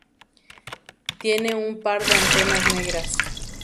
Tiene un par de antenas negras.